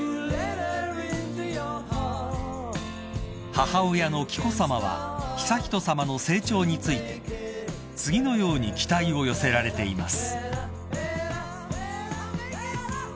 ［母親の紀子さまは悠仁さまの成長について次のように期待を寄せられています］